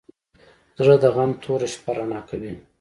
زړه د غم توره شپه رڼا کوي.